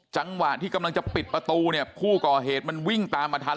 จังหวะที่กำลังจะปิดประตูเนี่ยผู้ก่อเหตุมันวิ่งตามมาทัน